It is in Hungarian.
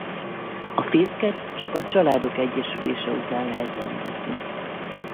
A fészket csak a családok egyesülése után lehet rendezni.